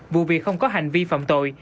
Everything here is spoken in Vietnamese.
vụ việc không có hành vi phạm tội